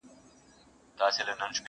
بې پیسو نه دچا خپل نه د چا سیال یې..